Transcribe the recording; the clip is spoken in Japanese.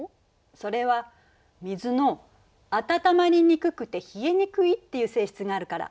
それは水の温まりにくくて冷えにくいっていう性質があるから。